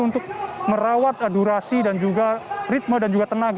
untuk merawat durasi dan juga ritme dan juga tenaga